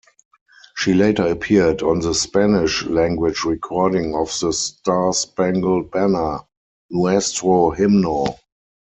She later appeared on the Spanish-language recording of the Star-Spangled Banner, "Nuestro Himno".